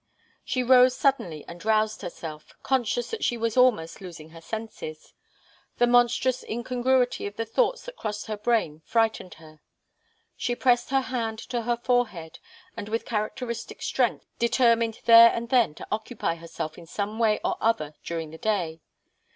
She rose suddenly and roused herself, conscious that she was almost losing her senses. The monstrous incongruity of the thoughts that crossed her brain frightened her. She pressed her hand to her forehead and with characteristic strength determined there and then to occupy herself in some way or other during the day.